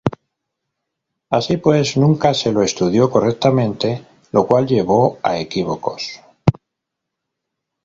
Así pues, nunca se lo estudió correctamente, lo cual llevó a equívocos.